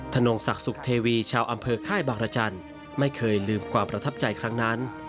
นงศักดิ์สุขเทวีชาวอำเภอค่ายบางรจันทร์ไม่เคยลืมความประทับใจครั้งนั้น